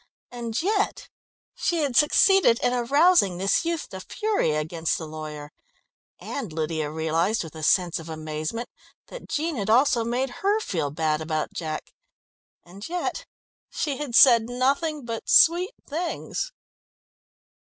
And yet she had succeeded in arousing this youth to fury against the lawyer, and Lydia realised, with a sense of amazement, that Jean had also made her feel bad about Jack. And yet she had said nothing but sweet things.